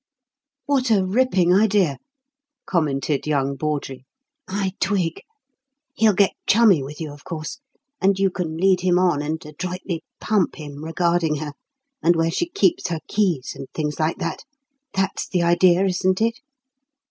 "What a ripping idea!" commented young Bawdrey. "I twig. He'll get chummy with you, of course, and you can lead him on and adroitly 'pump' him regarding her, and where she keeps her keys and things like that. That's the idea, isn't it?"